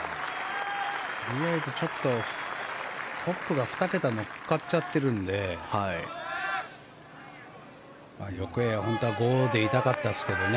ちょっと、トップが２桁に乗っかっちゃってるんで欲を言えば本当は５でいたかったですけどね。